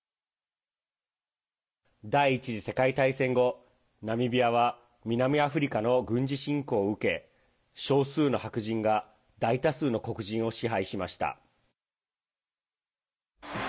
第１次世界大戦後ナミビアは南アフリカの軍事侵攻を受け少数の白人が大多数の黒人を支配しました。